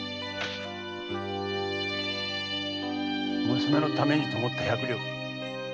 娘のためにと思った百両。